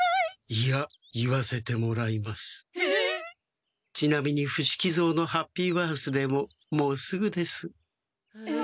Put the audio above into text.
いや言わせてもらいます。え！？ちなみに伏木蔵のハッピー・バースデーももうすぐです。